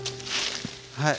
はい。